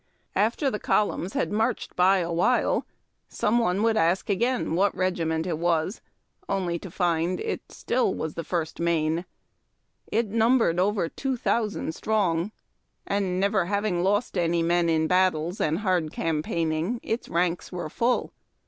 After the columns had marched by a while, some one would again ask what regiment it was, only to find it still the First Maine. It numbered over two thousand strong, and, never having lost any men in battles and hard campaigning, its ranks were full.